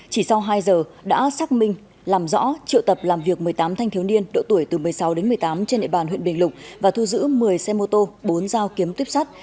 chỉ sau hai giờ đã xác minh làm rõ triệu tập làm việc một mươi tám thanh thiếu niên độ tuổi từ một mươi sáu đến một mươi tám trên địa bàn huyện bình lục và thu giữ một mươi xe mô tô bốn dao kiếm tuyếp sắt